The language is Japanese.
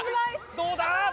どうだ？